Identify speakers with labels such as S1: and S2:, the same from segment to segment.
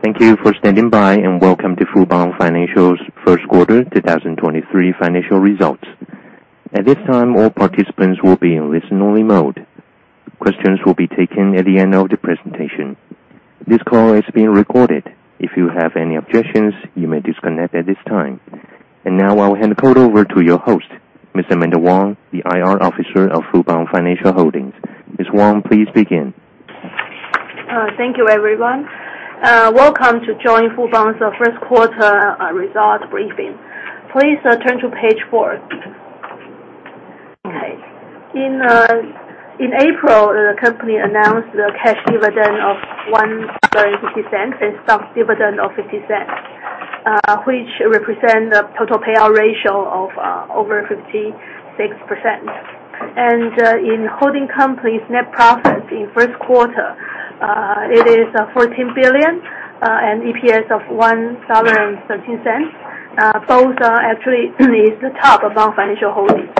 S1: Thank you for standing by, welcome to Fubon Financial's Q1 2023 Financial Results. At this time, all participants will be in listen-only mode. Questions will be taken at the end of the presentation. This call is being recorded. If you have any objections, you may disconnect at this time. Now, I'll hand the call over to your host, Miss Amanda Wang, the IR Officer of Fubon Financial Holdings. Miss Wang, please begin.
S2: Thank you everyone. Welcome to join Fubon's Q1 Result Briefing. Please turn to page 4. Okay. In April, the company announced the cash dividend of 0.015 and stock dividend of 0.005, which represent the total payout ratio of over 56%. In holding company's net profit in Q1, it is 14 billion and EPS of 1.13 dollar. Both are actually is the top among financial holdings.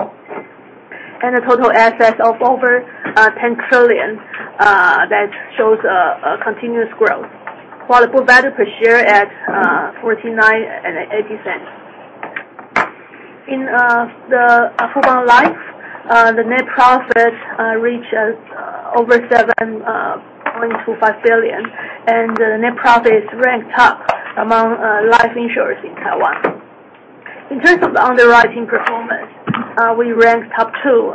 S2: The total assets of over 10 trillion that shows a continuous growth. While the book value per share at 49.80. In Fubon Life, the net profit reaches over 7.25 billion, and the net profit is ranked top among life insurers in Taiwan. In terms of underwriting performance, we ranked top two,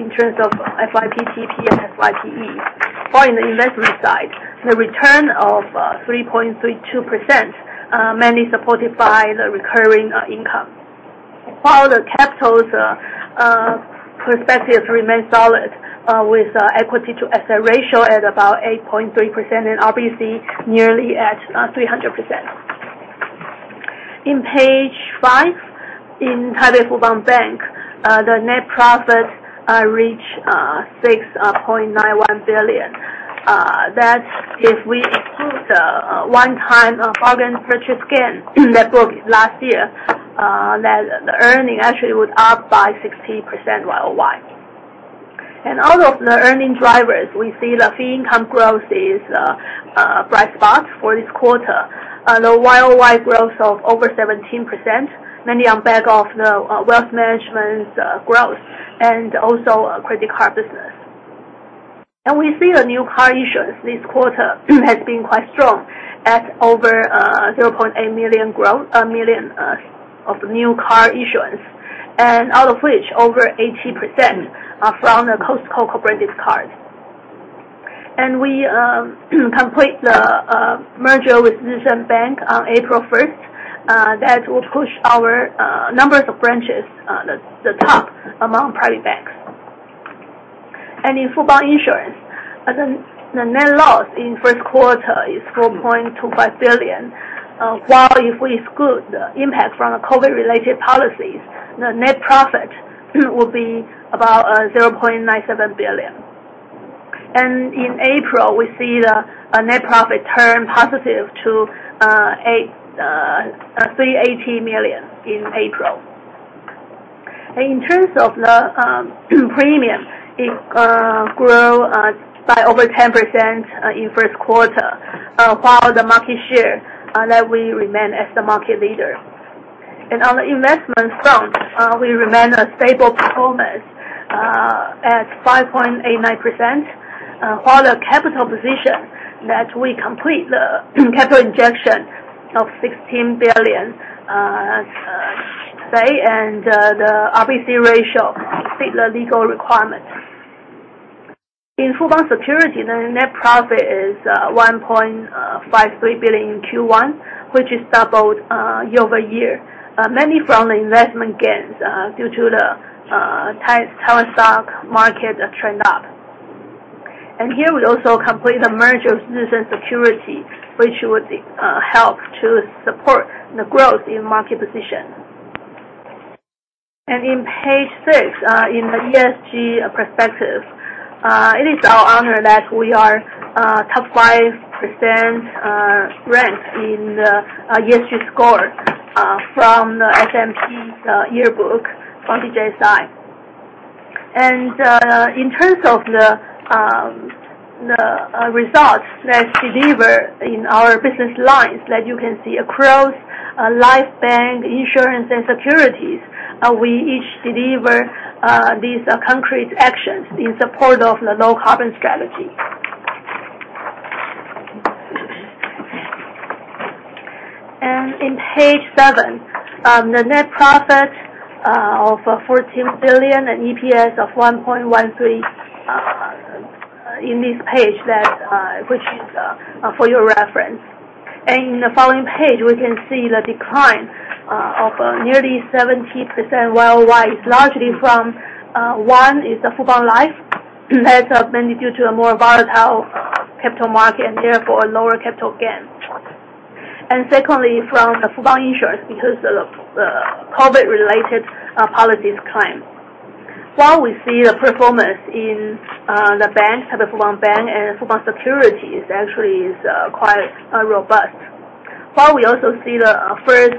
S2: in terms of FYTDP and FYTE. For in the investment side, the return of 3.32%, mainly supported by the recurring, income. While the capital's perspective remain solid, with equity to asset ratio at about 8.3% and RBC nearly at 300%. In page 5, in Taipei Fubon Bank, the net profit reach 6.91 billion. That if we exclude one-time foreign purchase gain that booked last year, then the earning actually would up by 60% YoY. Out of the earning drivers, we see the fee income growth is a bright spot for this quarter. The YoY growth of over 17%, mainly on back of the wealth management's growth and also credit card business. We see a new card issuance this quarter has been quite strong at over 0.8 million growth... million of new card issuance. Out of which, over 80% are from the Costco co-branded card. We complete the merger with Jih Sun Bank on April 1. That will push our numbers of branches the top among private banks. In Fubon Insurance, the net loss in Q1 is 4.25 billion. While if we exclude the impact from the COVID-related policies, the net profit will be about 0.97 billion. In April, we see the net profit turn positive to eight... 380 million in April. In terms of the premium, it grow by over 10% in Q1, while the market share that we remain as the market leader. On the investment front, we remain a stable performance at 5.89%. While the capital position that we complete the capital injection of 16 billion, say, and the RBC ratio fit the legal requirements. In Fubon Securities, the net profit is 1.53 billion in Q1, which is doubled year-over-year, mainly from the investment gains due to the Taiwan stock market trend up. Here, we also complete the merger of Jih Sun Securities, which would help to support the growth in market position. In page six, in the ESG perspective, it is our honor that we are top 5% ranked in the ESG score from the S&P's yearbook on ESG. In terms of the results that deliver in our business lines that you can see across Life, Bank, Insurance and Securities, we each deliver these concrete actions in support of the low carbon strategy. In page seven, the net profit of 14 billion and EPS of 1.13 in this page that which is for your reference. In the following page, we can see the decline of nearly 70% YoY, largely from one is the Fubon Life, that's mainly due to a more volatile capital market and therefore lower capital gain. Secondly, from the Fubon Insurance because of the COVID-related policies claim. While we see the performance in the bank, Taipei Fubon Bank and Fubon Securities actually is quite robust. While we also see the first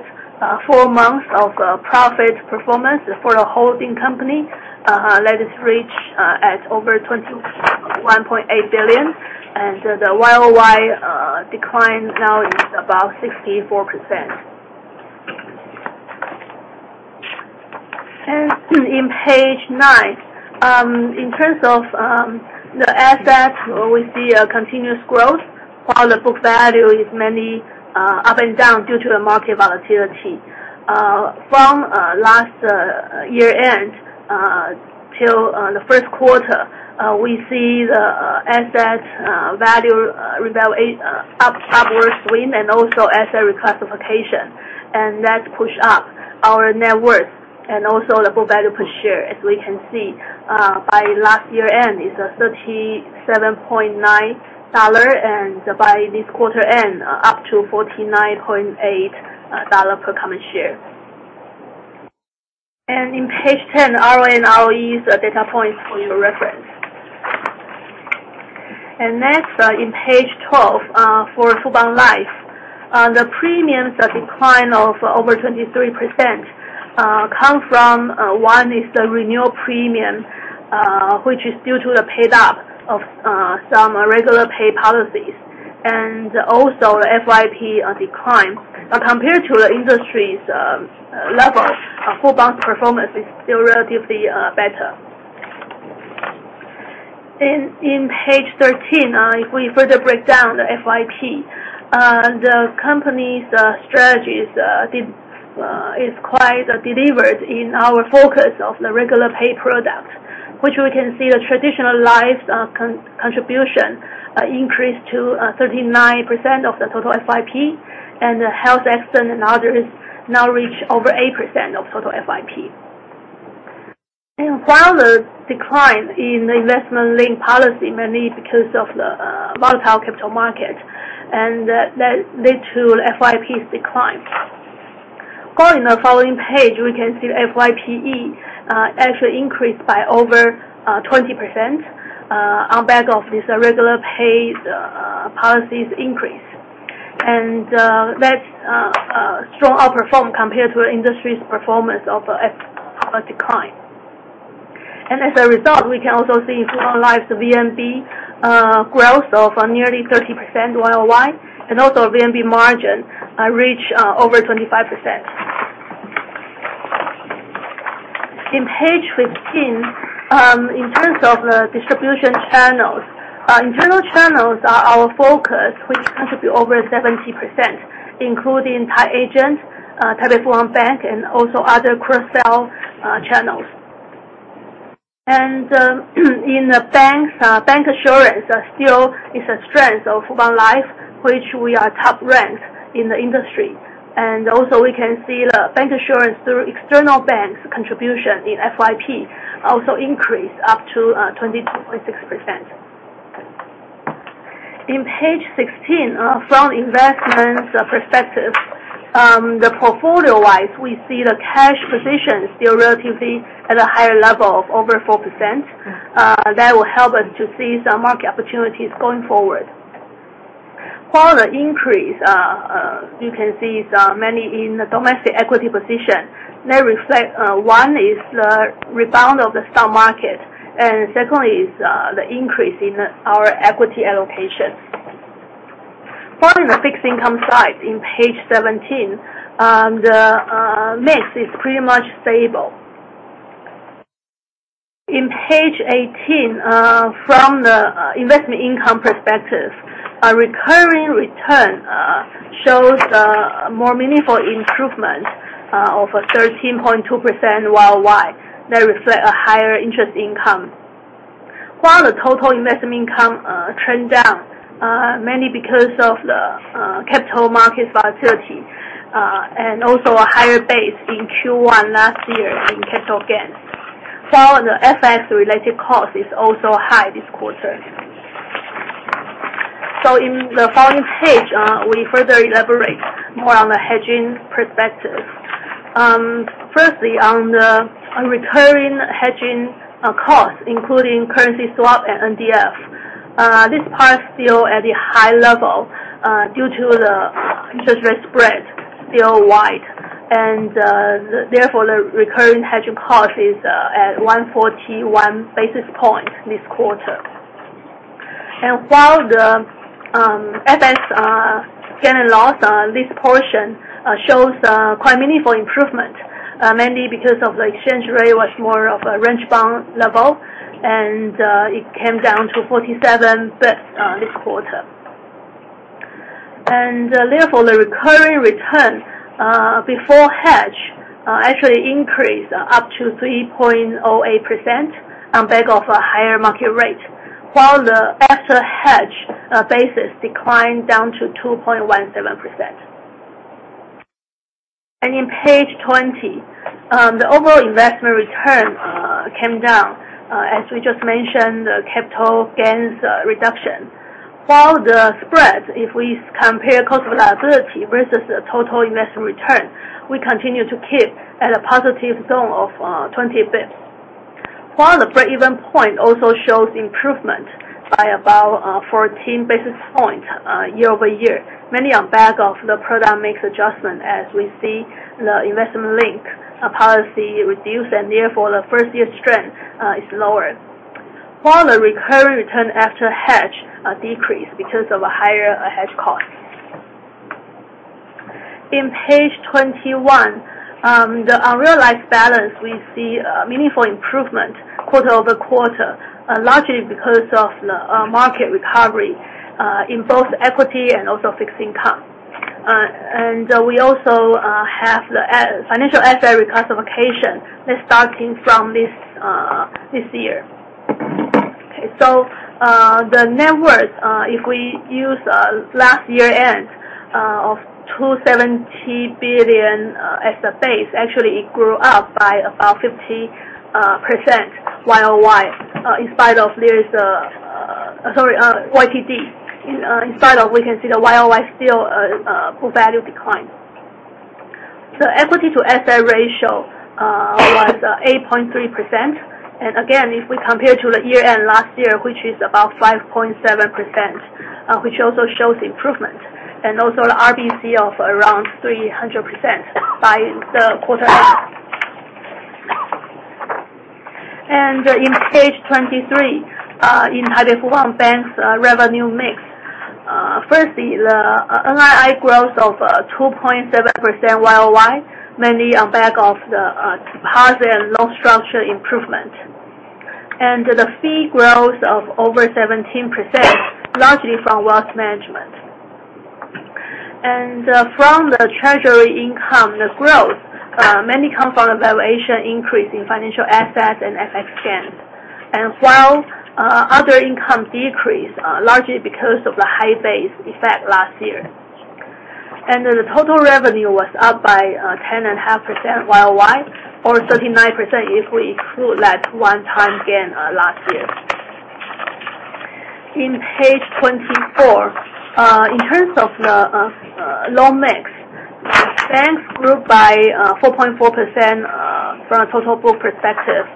S2: four months of profit performance for the holding company that has reached at over 21.8 billion. The YoY decline now is about 64%. In page nine, in terms of the assets, we see a continuous growth while the book value is mainly up and down due to the market volatility. From last year-end till the Q1, we see the asset value upwards trend and also asset reclassification. That push up our net worth and also the book value per share, as we can see, by last year-end, it's 37.9 dollar, and by this quarter end, up to 49.8 dollar per common share. In page 10, ROA and ROE is a data point for your reference. Next, in page 12, for Fubon Life, the premiums, the decline of over 23%, come from, one is the renewal premium, which is due to the paid up of, some regular pay policies and also the FYP, decline. Compared to the industry's level, Fubon's performance is still relatively better. In page 13, if we further break down the FYP, the company's strategies is quite delivered in our focus of the regular pay product, which we can see the traditional lives contribution increase to 39% of the total FYP and the health accident and others now reach over 8% of total FYP. While the decline in investment-linked policy mainly because of the volatile capital market, and that led to FYP's decline. Going to the following page, we can see FYPE actually increased by over 20% on back of this regular pay policies increase. That's strong outperform compared to the industry's performance of a decline. As a result, we can also see Fubon Life's VNB growth of nearly 30% YoY, and also VNB margin reach over 25%. In page 15, in terms of the distribution channels, our internal channels are our focus, which contribute over 70%, including tied agents, Taipei Fubon Bank, and also other cross-sell channels. In the banks, bank assurance still is a strength of Fubon Life, which we are top ranked in the industry. We can see the bank assurance through external banks' contribution in FYP also increased up to 22.6%. In page 16, from investment perspective, the portfolio-wise, we see the cash position still relatively at a higher level of over 4%, that will help us to see some market opportunities going forward. While the increase, you can see is mainly in the domestic equity position, that reflect one is the rebound of the stock market and secondly is the increase in our equity allocation. Following the fixed income side in page 17, the mix is pretty much stable. In page 18, from the investment income perspective, a recurring return shows a more meaningful improvement of a 13.2% YoY. That reflect a higher interest income. While the total investment income trend down mainly because of the capital market volatility and also a higher base in Q1 last year in capital gains. While the FX-related cost is also high this quarter. In the following page, we further elaborate more on the hedging perspective. Firstly, on recurring hedging costs, including currency swap and NDF, this part is still at a high level, due to the interest rate spread still wide. Therefore, the recurring hedging cost is at 141 basis points this quarter. While the FX gain and loss on this portion shows quite meaningful improvement, mainly because of the exchange rate was more of a range-bound level, and it came down to 47 bits this quarter. Therefore, the recurring return before hedge actually increased up to 3.08% on back of a higher market rate, while the after hedge basis declined down to 2.17%. In page 20, the overall investment return came down as we just mentioned, the capital gains reduction. While the spreads, if we compare cost of liability versus the total investment return, we continue to keep at a positive zone of 20 bits. While the break-even point also shows improvement by about 14 basis points year-over-year, mainly on back of the product mix adjustment as we see the investment-linked policy reduced, and therefore the first year strength is lower. While the recurring return after hedge decreased because of a higher hedge cost. In page 21, the unrealized balance, we see a meaningful improvement quarter-over-quarter, largely because of the market recovery in both equity and also fixed income. We also have the financial asset reclassification that's starting from this year. Okay, the net worth, if we use last year end, of 270 billion, as a base, actually it grew up by about 50% YoY, in spite of there is... Sorry, YTD. In spite of we can see the YoY still book value decline. The equity to asset ratio was 8.3%. Again, if we compare to the year end last year, which is about 5.7%, which also shows improvement, and also the RBC of around 300% by the quarter end. In page 23, in Bank's revenue mix. Firstly the NII growth of 2.7% YoY, mainly on back of the deposit and loan structure improvement. The fee growth of over 17%, largely from wealth management. From the treasury income, the growth mainly come from a valuation increase in financial assets and FX gains. While other income decreased, largely because of the high base effect last year. The total revenue was up by 10 and half % YoY or 39% if we exclude that one-time gain last year. In page 24, in terms of the loan mix, banks grew by 4.4%, from a total book perspective,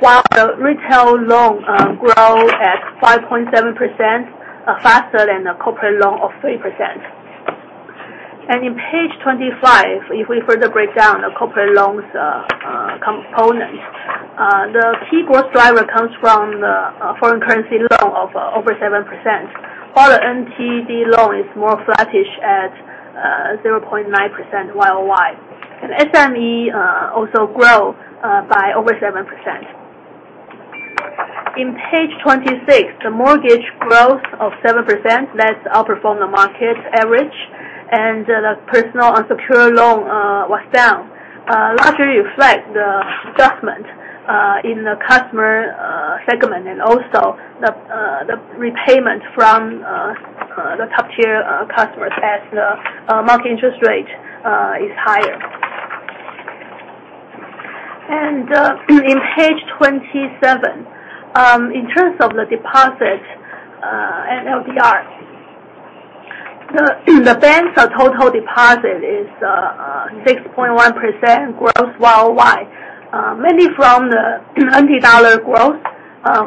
S2: while the retail loan grow at 5.7%, faster than a corporate loan of 3%. In page 25, if we further break down the corporate loans, component, the key growth driver comes from the foreign currency loan of over 7%, while the NTD loan is more flattish at 0.9% YoY. SME, also grow, by over 7%. In page 26, the mortgage growth of 7% that outperform the market average and the personal unsecured loan, was down, largely reflect the adjustment, in the customer, segment and also the repayment from the top-tier, customers as the market interest rate, is higher. In page 27, in terms of the deposit and LDR, the bank's total deposit is 6.1% growth YoY, mainly from the NT dollar growth,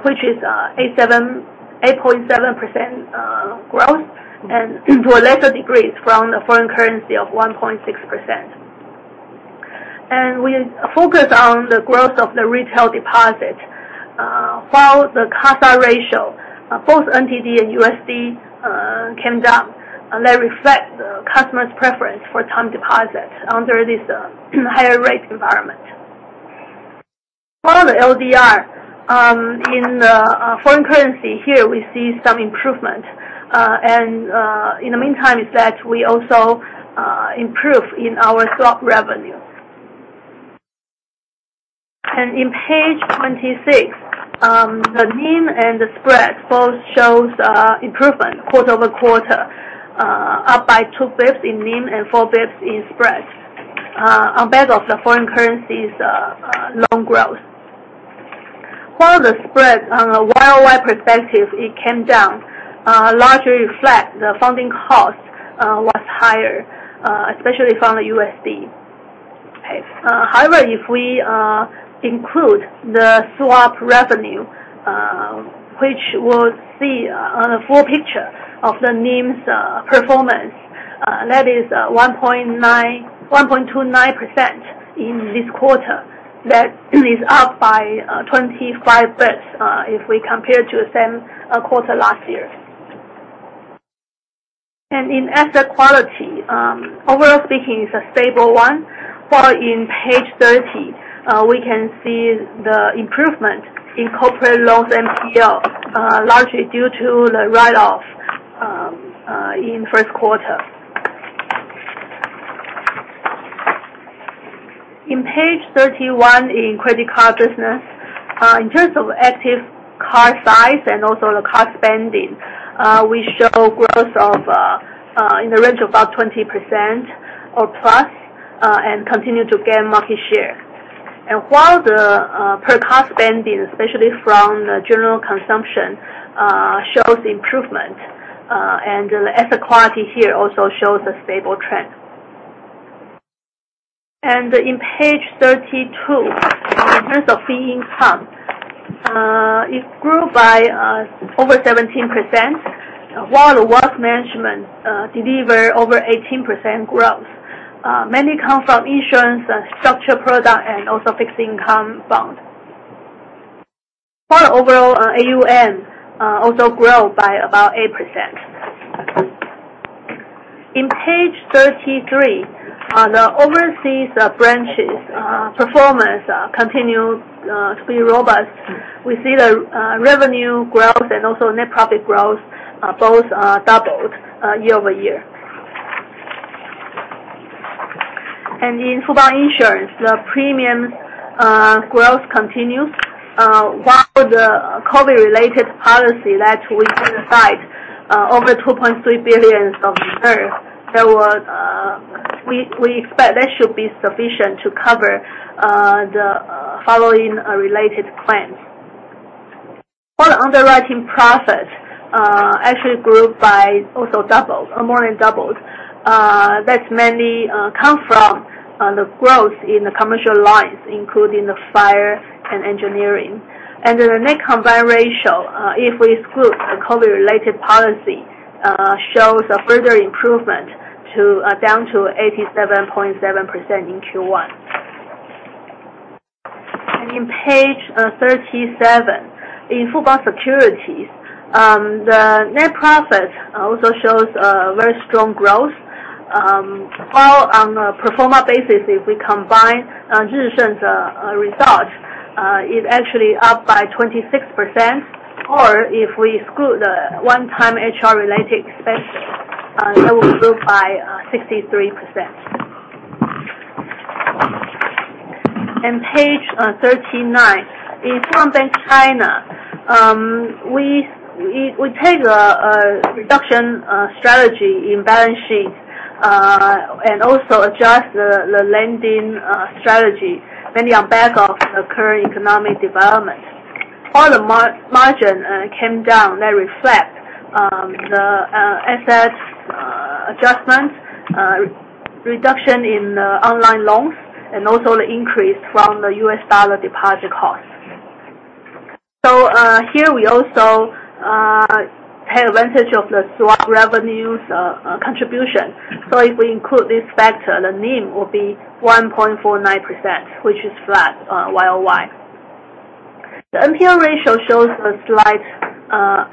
S2: which is 8.7% growth and to a lesser degree from the foreign currency of 1.6%. We focus on the growth of the retail deposit, while the CASA ratio, both NTD and USD, came down. That reflects the customers' preference for time deposit under this higher rate environment. While the LDR, in the foreign currency here we see some improvement. In the meantime is that we also improve in our swap revenue. In page 26, the NIM and the spread both shows improvement quarter-over-quarter, up by 2 bips in NIM and 4 bips in spread, on back of the foreign currency's loan growth. While the spread on a YoY perspective it came down, largely reflect the funding cost was higher, especially from the USD. Okay. However, if we include the swap revenue, which will see on the full picture of the NIM's performance, that is 1.29% in this quarter. That is up by 25 bips, if we compare to the same quarter last year. In asset quality, overall speaking is a stable one. While in page 30, we can see the improvement in corporate loans NPL, largely due to the write-off, in Q1. In page 31, in credit card business, in terms of active card size and also the card spending, we show growth of, in the range of about 20% or plus, and continue to gain market share. While the per card spending, especially from the general consumption, shows improvement, and the asset quality here also shows a stable trend. In page 32, in terms of fee income, it grew by, over 17%, while the wealth management, deliver over 18% growth. Many come from insurance, structure product and also fixed income bond. Our overall, AUM, also grow by about 8%. In page 33, the overseas branches performance continue to be robust. We see the revenue growth and also net profit growth, both doubled year-over-year. In Fubon Insurance, the premium growth continues, while the COVID-related policy that we set aside, over 2.3 billion dollars of reserve. We, we expect that should be sufficient to cover the following related claims. For underwriting profit, actually grew by also double or more than doubled. That mainly come from the growth in the commercial lines, including the fire and engineering. The net combined ratio, if we exclude the COVID-related policy, shows a further improvement to down to 87.7% in Q1. In page 37, in Fubon Securities, the net profit also shows very strong growth. While on a pro forma basis, if we combine Jih Sun's result, it actually up by 26%. If we exclude the one-time HR-related expenses, that will grow by 63%. Page 39. In Fubon Bank (China) we take a reduction strategy in balance sheet, and also adjust the lending strategy, mainly on back of current economic development. All the margin came down, that reflect the assets adjustments, reduction in the online loans and also the increase from the US dollar deposit costs. Here we also take advantage of the swap revenues contribution. If we include this factor, the NIM will be 1.49%, which is flat YoY. The NPL ratio shows a slight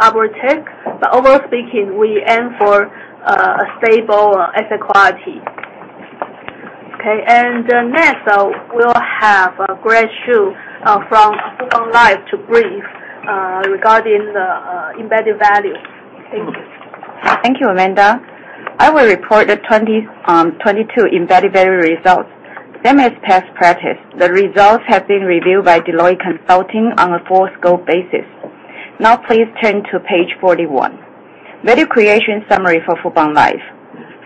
S2: upward tick, but overall speaking, we aim for a stable asset quality. Next, we'll have Grace Chiu from Fubon Life to brief regarding the embedded value. Thank you.
S3: Thank you, Amanda. I will report the 2022 embedded value results. Same as past practice, the results have been reviewed by Deloitte Consulting on a full-scope basis. Please turn to page 41. Value creation summary for Fubon Life.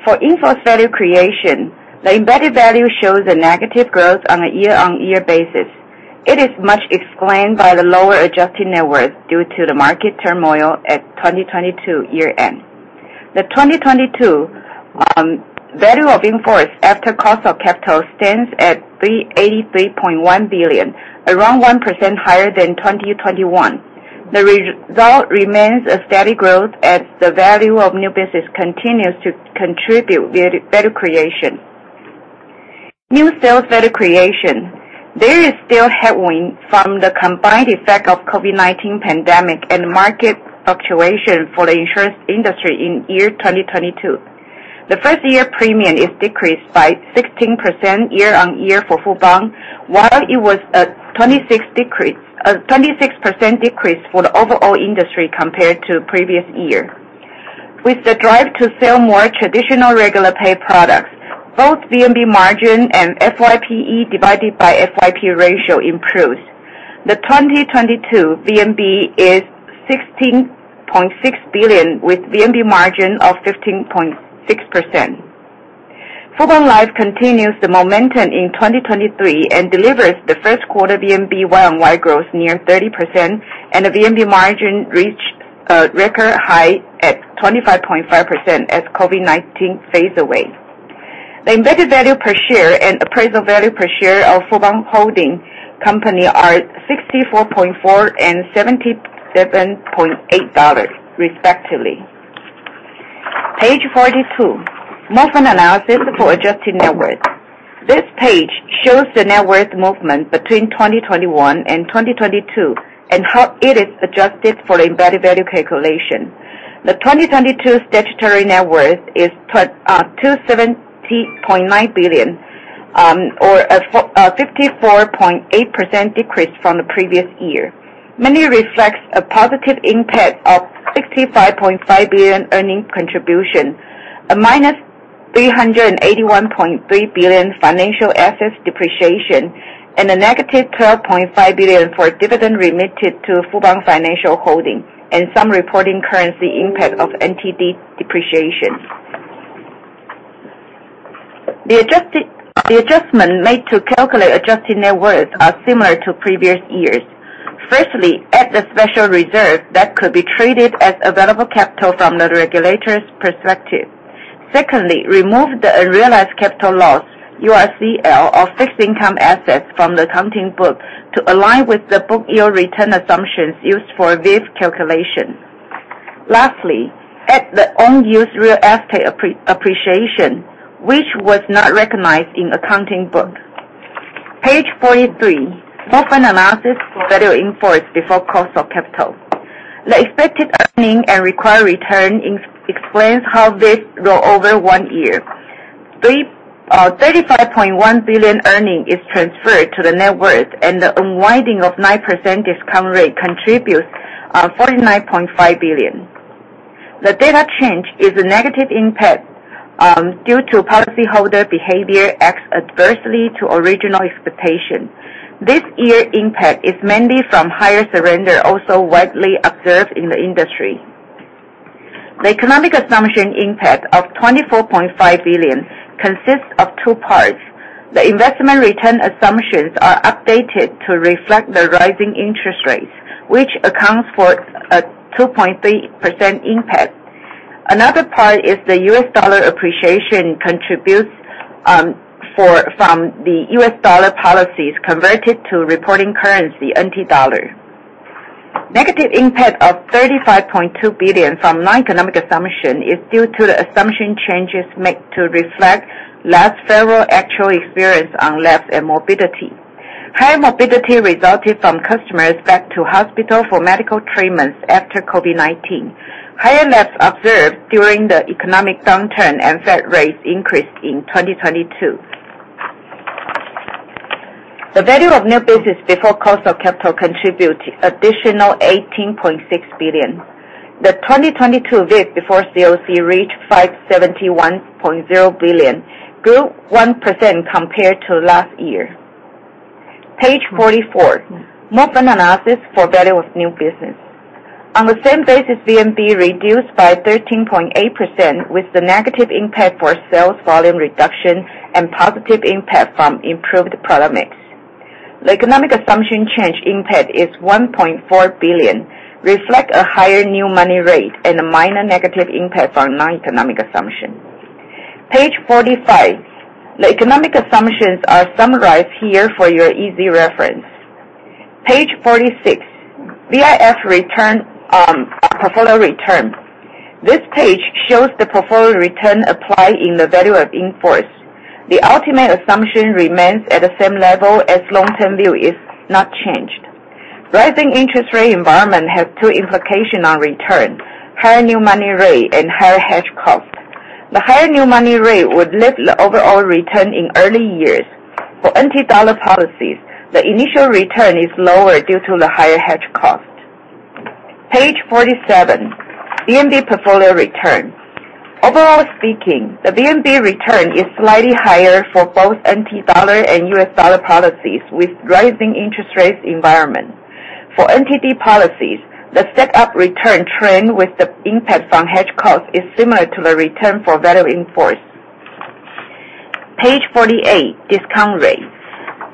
S3: For in-force value creation, the embedded value shows a negative growth on a year-on-year basis. It is much explained by the lower adjusted net worth due to the market turmoil at 2022 year end. The 2022 value of in-force after cost of capital stands at 383.1 billion, around 1% higher than 2021. The result remains a steady growth as the value of new business continues to contribute value creation. New sales value creation. There is still headwind from the combined effect of COVID-19 pandemic and market fluctuation for the insurance industry in year 2022. The first-year premium is decreased by 16% year-over-year for Fubon, while it was a 26% decrease for the overall industry compared to previous year. With the drive to sell more traditional regular pay products, both VNB margin and FYPE divided by FYP ratio improves. The 2022 VNB is 16.6 billion with VNB margin of 15.6%. Fubon Life continues the momentum in 2023 and delivers the Q1 VNB year-over-year growth near 30%, and the VNB margin reached a record high at 25.5% as COVID-19 fades away. The embedded value per share and appraisal value per share of Fubon Financial Holdings are 64.4 and 77.8 dollars respectively. Page 42. Movement analysis for adjusted net worth. This page shows the net worth movement between 2021 and 2022 and how it is adjusted for embedded value calculation. The 2022 statutory net worth is 270.9 billion, or a 54.8% decrease from the previous year. Mainly reflects a positive impact of 65.5 billion earning contribution, a minus 381.3 billion financial assets depreciation, and a negative 12.5 billion for dividend remitted to Fubon Financial Holdings, and some reporting currency impact of NTD depreciation. The adjustment made to calculate adjusted net worth are similar to previous years. Firstly, add the special reserve that could be treated as available capital from the regulator's perspective. Secondly, remove the unrealized capital loss, URCL of fixed income assets from the accounting book to align with the book year return assumptions used for this calculation. Lastly, add the unused real estate appreciation, which was not recognized in accounting book. Page 43. Movement analysis for value in force before cost of capital. The expected earning and required return explains how this grow over one year. 35.1 billion earning is transferred to the net worth and the unwinding of 9% discount rate contributes 49.5 billion. The data change is a negative impact due to policyholder behavior acts adversely to original expectation. This year impact is mainly from higher surrender, also widely observed in the industry. The economic assumption impact of 24.5 billion consists of two parts. The investment return assumptions are updated to reflect the rising interest rates, which accounts for a 2.3% impact. Another part is the US dollar appreciation contributes, for, from the US dollar policies converted to reporting currency, NT dollar. Negative impact of NTD 35.2 billion from non-economic assumption is due to the assumption changes made to reflect less favorable actual experience on lapses and morbidity. Higher morbidity resulted from customers back to hospital for medical treatments after COVID-19. Higher lapses observed during the economic downturn and Fed rates increased in 2022. The Value of New Business before cost of capital contribute additional NTD 18.6 billion. The 2022 VIF before COC reached NTD 571.0 billion, grew 1% compared to last year. Page 44. Movement analysis for Value of New Business. On the same basis, VNB reduced by 13.8% with the negative impact for sales volume reduction and positive impact from improved product mix. The economic assumption change impact is 1.4 billion, reflect a higher new money rate and a minor negative impact on non-economic assumption. Page 45. The economic assumptions are summarized here for your easy reference. Page 46. VIF return, portfolio return. This page shows the portfolio return applied in the value of in-force. The ultimate assumption remains at the same level as long-term view is not changed. Rising interest rate environment has 2 implication on return, higher new money rate and higher hedge cost. The higher new money rate would lift the overall return in early years. For NT dollar policies, the initial return is lower due to the higher hedge cost. Page 47. VNB portfolio return. Overall speaking, the VNB return is slightly higher for both NT dollar and US dollar policies with rising interest rates environment. For NTD policies, the set up return trend with the impact from hedge costs is similar to the return for value in force. Page 48. Discount rate.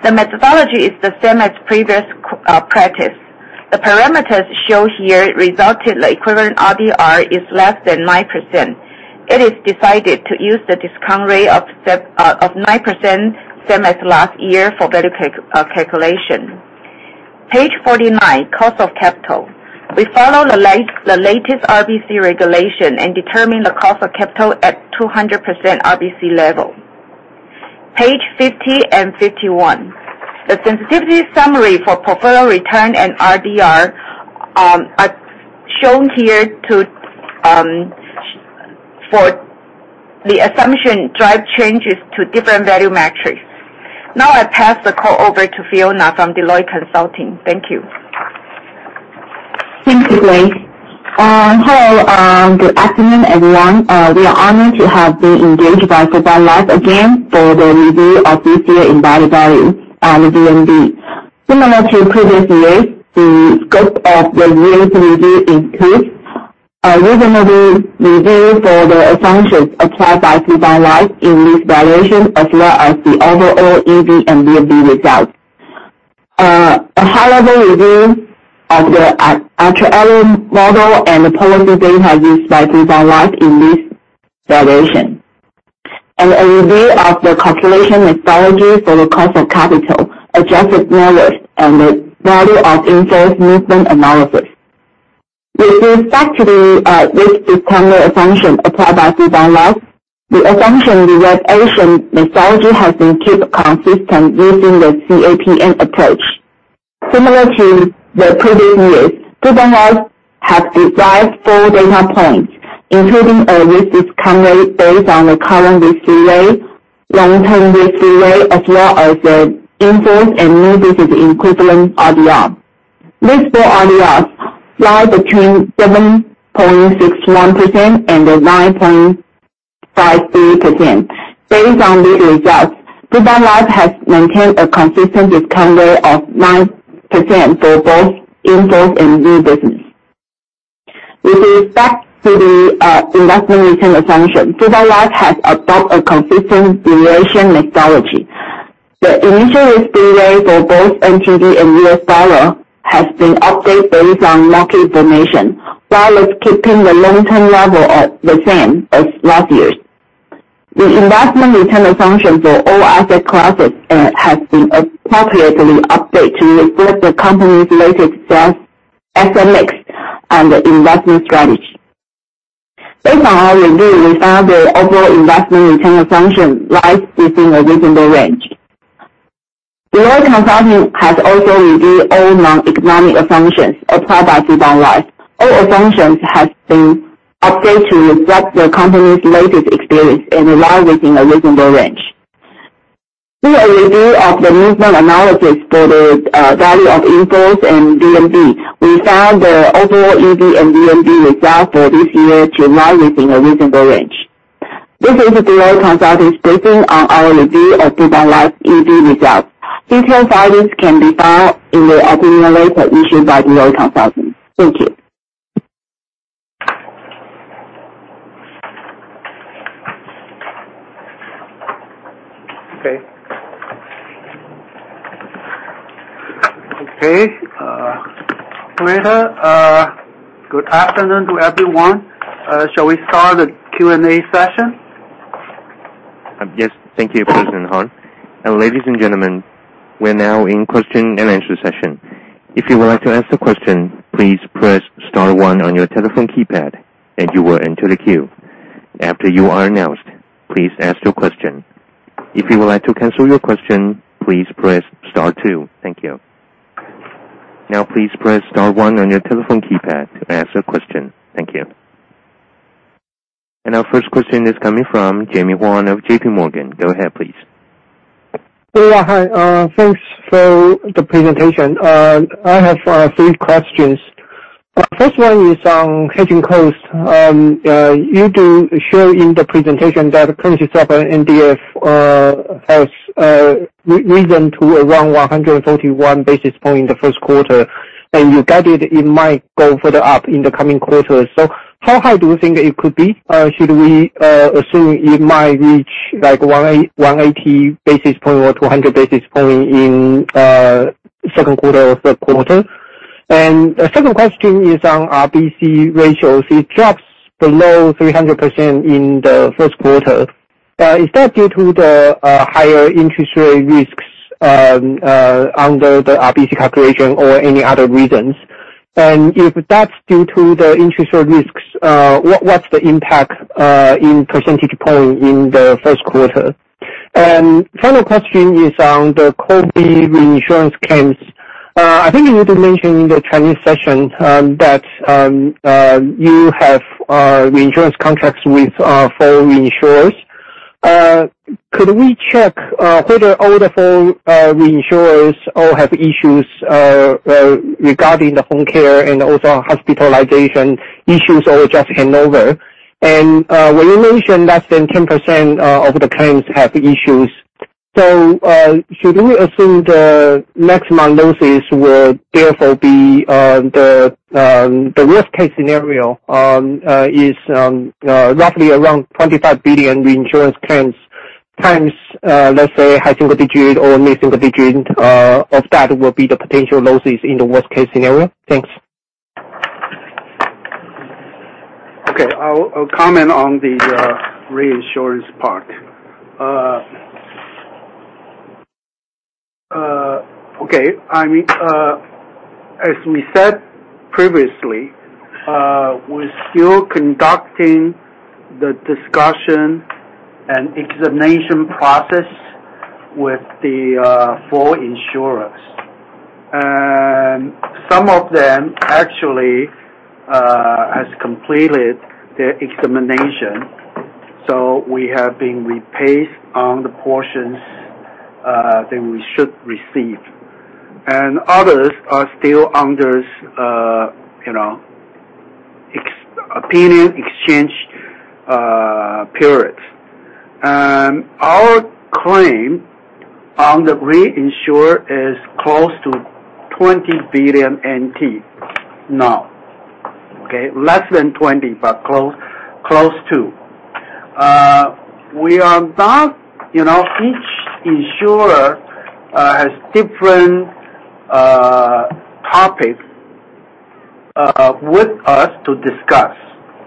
S3: The methodology is the same as previous practice. The parameters shown here resulted the equivalent RDR is less than 9%. It is decided to use the discount rate of 9% same as last year for better calculation. Page 49. Cost of capital. We follow the latest RBC regulation and determine the cost of capital at 200% RBC level. Page 50 and 51. The sensitivity summary for portfolio return and RDR are shown here to for the assumption drive changes to different value metrics. Now, I pass the call over to Fiona from Deloitte Consulting. Thank you.
S4: Thank you, Grace. Good afternoon, everyone. We are honored to have been engaged by Fubon Life again for the review of this year's value, VNB. Similar to previous years, the scope of the VIF review includes a reasonable review for the assumptions applied by Fubon Life in this valuation, as well as the overall EV and VNB results. A high-level review of the actual model and the policy data used by Fubon Life in this valuation. A review of the calculation methodology for the cost of capital, adjusted net worth and the value of in-force movement analysis. With respect to the risk discount rate assumption applied by Fubon Life, the assumption revision methodology has been kept consistent using the CAPM approach. Similar to the previous years, Fubon Life have derived 4 data points, including a risk discount rate based on the current risk-free rate, long-term risk-free rate, as well as the in-force and new business equivalent RDR. These 4 RDRs lie between 7.61% and 9.53%. Based on these results, Fubon Life has maintained a consistent discount rate of 9% for both in-force and new business. With respect to the investment return assumption, Fubon Life has adopt a consistent duration methodology. The initial for both NTD and US dollar has been updated based on market information, while it's keeping the long-term level at the same as last year's. The investment return assumption for all asset classes has been appropriately updated to reflect the company's latest asset mix and investment strategy. Based on our review, we found the overall investment return assumption lies within a reasonable range. Deloitte Consulting has also reviewed all non-economic assumptions applied by Fubon Life. All assumptions have been updated to reflect the company's latest experience and lie within a reasonable range. Through a review of the movement analysis for the value of in-force and VNB, we found the overall EV and VNB results for this year to lie within a reasonable range. This is Deloitte Consulting's briefing on our review of Fubon Life's EV results. Detailed findings can be found in the opinion letter issued by Deloitte Consulting. Thank you.
S5: Okay. Okay. Amanda, good afternoon to everyone. Shall we start the Q&A session?
S1: Yes, thank you, President Harn. Ladies and gentlemen, we're now in Q&A session. If you would like to ask a question, please press star one on your telephone keypad, and you will enter the queue. After you are announced, please ask your question. If you would like to cancel your question, please press star two. Thank you. Now, please press star one on your telephone keypad to ask a question. Thank you. Our first question is coming from Jaime Wong of JP Morgan. Go ahead, please.
S6: Yeah, hi. Thanks for the presentation. I have three questions. First one is on hedging costs. You do show in the presentation that currency swap and NDF has risen to around 141 basis points in the Q1, and you guided it might go further up in the coming quarters. How high do you think it could be? Should we assume it might reach like 180 basis points or 200 basis points in Q2 or Q3? The second question is on RBC ratios. It drops below 300% in the Q1. Is that due to the higher interest rate risks under the RBC calculation or any other reasons? If that's due to the interest rate risks, what's the impact in percentage point in the Q1? Final question is on the COVID reinsurance claims. I think you mentioned in the Chinese session that you have reinsurance contracts with four reinsurers. Could we check whether all the four reinsurers all have issues regarding the home care and also hospitalization issues or just hand over? When you mentioned less than 10% of the claims have issues, should we assume the maximum losses will therefore be the worst case scenario is roughly around 25 billion reinsurance claims times, let's say high single digit or mid-single digit, of that will be the potential losses in the worst case scenario? Thanks.
S5: Okay. I'll comment on the reinsurance part. Okay. I mean, as we said previously, we're still conducting the discussion and examination process with the four insurers. Some of them actually has completed their examination, so we have been repaid on the portions that we should receive. Others are still under, you know, opinion exchange periods. Our claim on the reinsurer is close to NTD 20 billion now. Okay? Less than 20, but close to. We are not, you know, each insurer has different topics with us to discuss.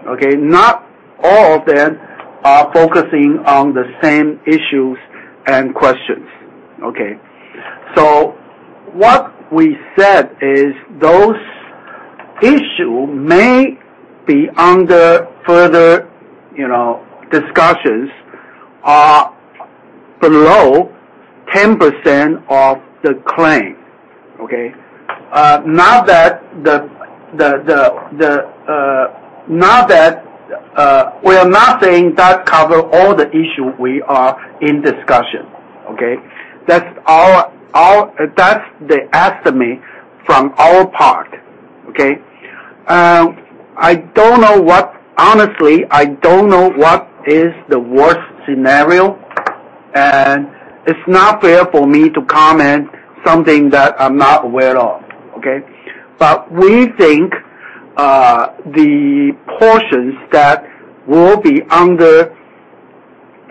S5: Okay? Not all of them are focusing on the same issues and questions. Okay? What we said is those issue may be under further, you know, discussions are below 10% of the claim. We are not saying that cover all the issue we are in discussion. Okay? That's the estimate from our part. Okay? Honestly, I don't know what is the worst scenario. It's not fair for me to comment something that I'm not aware of, okay? We think the portions that will be under,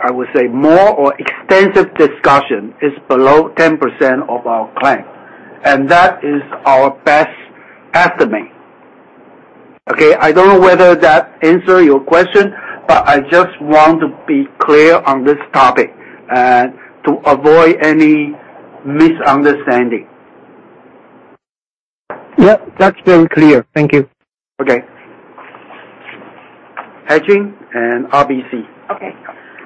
S5: I would say, more or extensive discussion is below 10% of our claim. That is our best estimate. Okay? I don't know whether that answer your question, but I just want to be clear on this topic and to avoid any misunderstanding.
S6: Yep, that's very clear. Thank you.
S5: Okay. Hedging and RBC.
S2: Okay.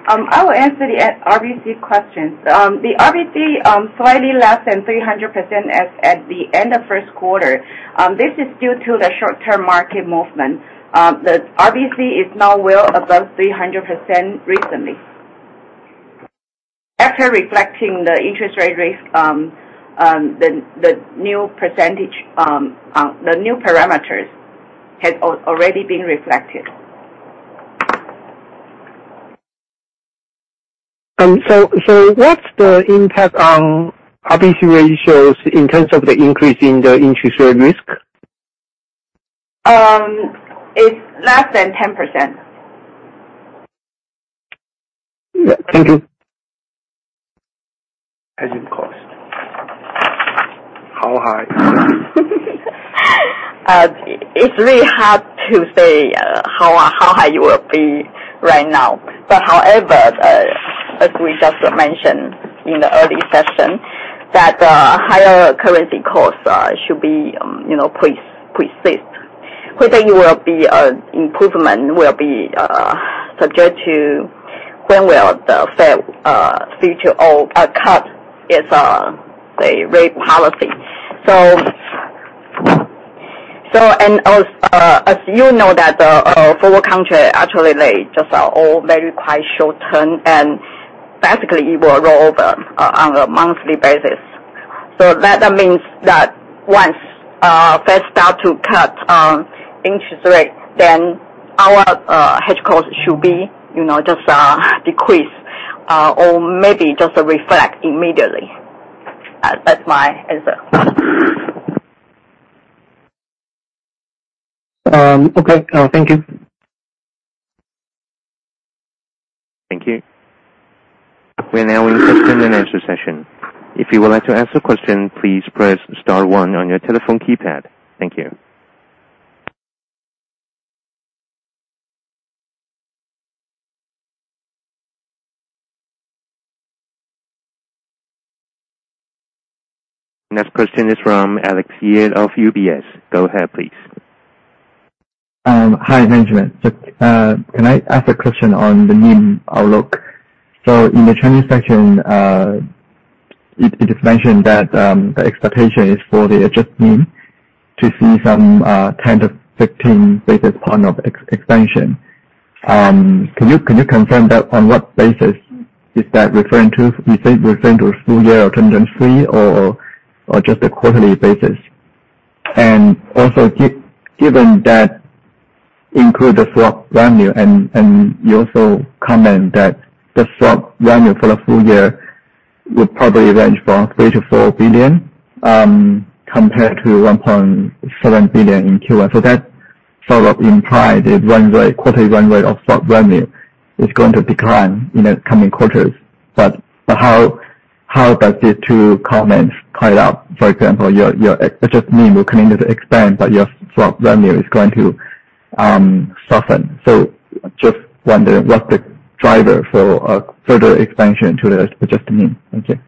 S2: I will answer the RBC questions. The RBC, slightly less than 300% as at the end of Q1. This is due to the short-term market movement. The RBC is now well above 300% recently. After reflecting the interest rate raise, the new percentage, the new parameters has already been reflected.
S6: What's the impact on RBC ratios in terms of the increase in the interest rate risk?
S2: It's less than 10%.
S6: Yeah. Thank you.
S5: Hedging cost. How high?
S2: It's really hard to say how high it will be right now. However, as we just mentioned in the early session, that higher currency costs should be, you know, persist. Whether it will be improvement will be subject to when will the Fed speak to or cut its say, rate policy. As you know that, for what country actually they just are all very quite short-term, and basically it will roll over on a monthly basis. That means that once Fed start to cut interest rates, then our hedge costs should be, you know, just decrease or maybe just reflect immediately. That's my answer.
S6: Okay. Thank you.
S1: Thank you.
S5: We're now in Q&A session. If you would like to ask a question, please press star one on your telephone keypad. Thank you. Next question is from Alex Ye of UBS. Go ahead, please.
S7: Hi, Benjamin. Just, can I ask a question on the NIM outlook? In the Chinese section, it is mentioned that the expectation is for the adjusted NIM to see some 10 to 15 basis point of ex-expansion. Can you confirm that on what basis is that referring to? Is it referring to a full year or 10 to 3 or just a quarterly basis? Also given that include the swap revenue and you also comment that the swap revenue for the full year would probably range from 3 billion-4 billion, compared to 1.7 billion in Q1. That sort of implied it run rate, quarterly run rate of swap revenue is going to decline in the coming quarters. How does these two comments add up? For example, your adjusted NIM will continue to expand, but your swap revenue is going to soften. Just wondering what the driver for a further expansion to the adjusted NIM? Okay.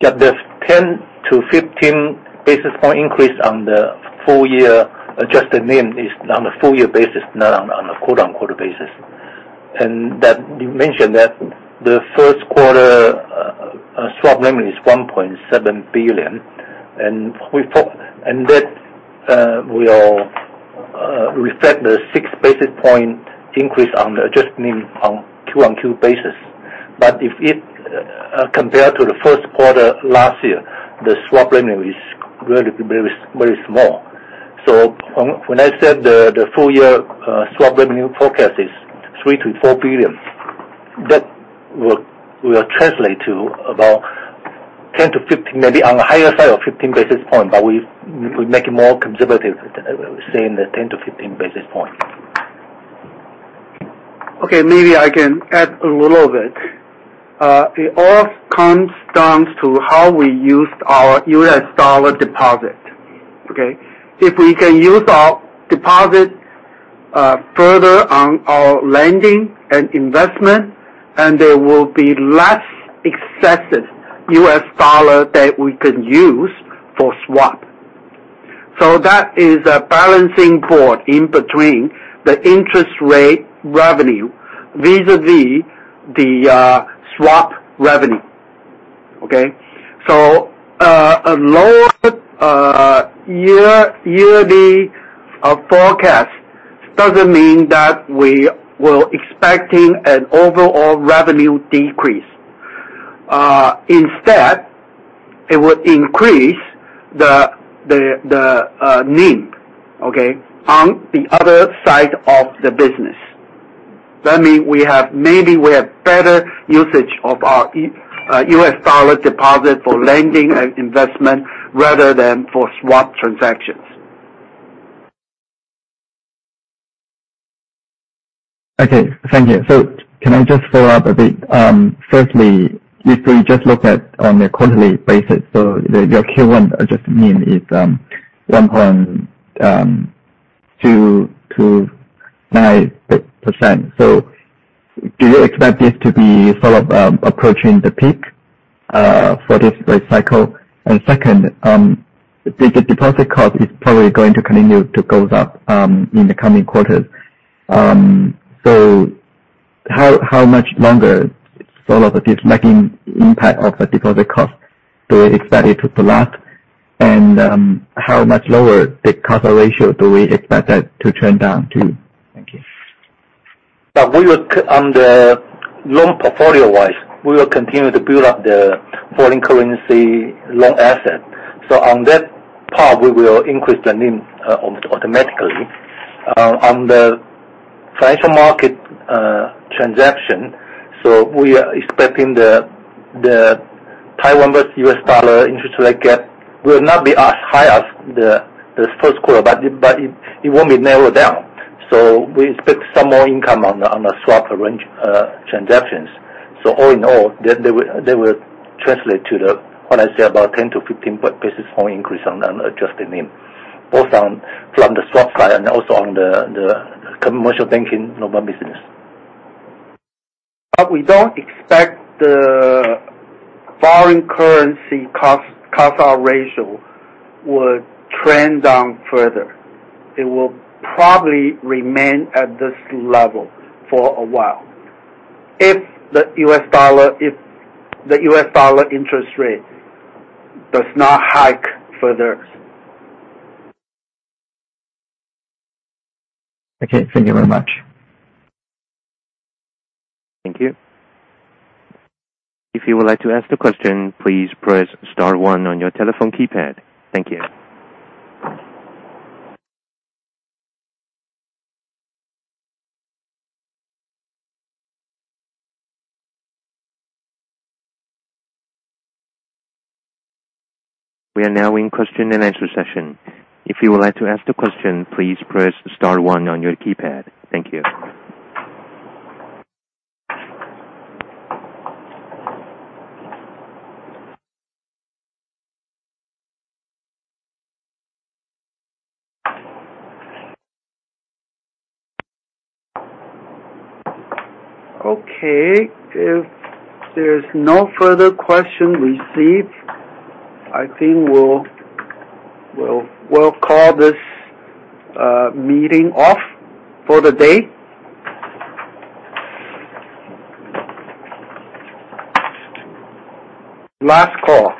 S8: Yeah. The 10-15 basis points increase on the full-year adjusted NIM is on a full-year basis, not on a quarter-on-quarter basis. That you mentioned that the Q1 swap revenue is $1.7 billion. That will reflect the 6 basis points increase on the adjusted NIM on a quarter-on-quarter basis. If it compared to the Q1 last year, the swap revenue is really very small. On, when I said the full-year swap revenue forecast is $3 billion-$4 billion, that will translate to about 10-15, maybe on the higher side of 15 basis points. We make it more conservative, saying that 10-15 basis points.
S5: Okay. Maybe I can add a little bit. It all comes down to how we use our US dollar deposit. Okay? If we can use our deposit further on our lending and investment, there will be less excessive US dollar that we can use for swap. That is a balancing point in between the interest rate revenue vis-a-vis the swap revenue. Okay? A lower yearly forecast doesn't mean that we were expecting an overall revenue decrease. Instead, it would increase the NIM, okay, on the other side of the business. That mean maybe we have better usage of our US dollar deposit for lending and investment rather than for swap transactions.
S7: Okay. Thank you. Can I just follow up a bit? Firstly, if we just look at on a quarterly basis, your Q1 adjusted NIM is 1.229%. Do you expect this to be sort of approaching the peak for this rate cycle? Second, the deposit cost is probably going to continue to go up in the coming quarters. How much longer sort of this making impact of the deposit cost do we expect it to last? How much lower the cover ratio do we expect that to turn down to? Thank you.
S8: On the loan portfolio-wise, we will continue to build up the foreign currency loan asset. On that part we will increase the NIM automatically. On the financial market transaction, we are expecting the Taiwan versus US dollar interest rate gap will not be as high as the Q1, but it won't be narrowed down. We expect some more income on the swap transactions. All in all, they will translate to what I say about a 10-15 basis point increase on an adjusted NIM, both from the swap side and also on the commercial banking loan business. We don't expect the foreign currency cost, cover ratio would trend down further.
S5: It will probably remain at this level for a while if the U.S. dollar interest rate does not hike further.
S7: Okay. Thank you very much.
S1: Thank you. If you would like to ask the question, please press star one on your telephone keypad. Thank you. We are now in Q&A session. If you would like to ask the question, please press star one on your keypad. Thank you.
S5: Okay. If there's no further question received, I think we'll call this meeting off for the day. Last call.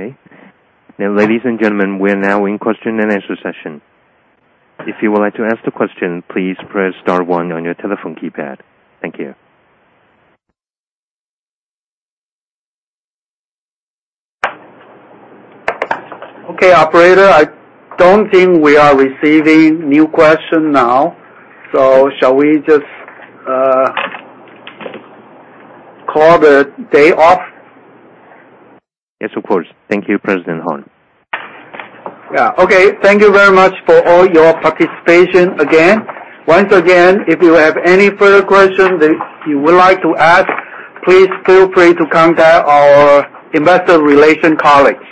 S1: Okay. Now, ladies and gentlemen, we're now in Q&A session. If you would like to ask the question, please press star one on your telephone keypad. Thank you.
S5: Okay. Operator, I don't think we are receiving new question now. Shall we just call the day off?
S1: Yes, of course. Thank you, President Harn.
S5: Yeah. Okay. Thank you very much for all your participation again. Once again, if you have any further questions that you would like to ask, please feel free to contact our investor relations colleagues.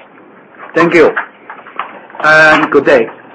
S5: Thank you. Good day.